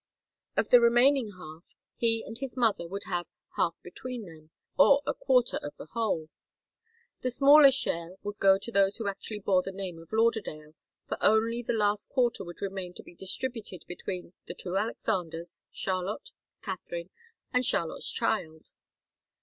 Of the remaining half, he and his mother would have half between them, or a quarter of the whole. The smallest share would go to those who actually bore the name of Lauderdale, for only the last quarter would remain to be distributed between the two Alexanders, Charlotte, Katharine, and Charlotte's child.